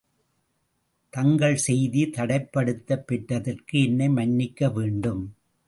தங்கள் செய்தி தடைப்படுத்தப் பெற்றதற்கு என்னை மன்னிக்கவேண்டும்.